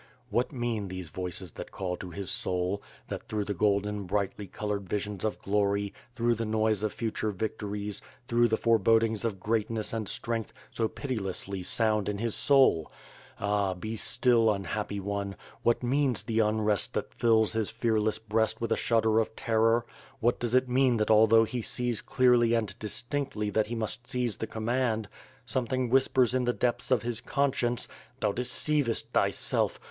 What mean these voices that call to his soul, that through the WITH FIRE AND SWORD, 42 1 golden brightly colored visions of glory, through the noise of future victories, through the forebodings of greatness and strength, so pitilessly sound in his soul? Ah! be still un happy one! What means the unrest that fills his fearless breast with a shudder of terror? What does it mean that al though ' e sees clearly and distinctly that he must seize the command something whispers in the depths of his conscience "Thou deceivest thyself!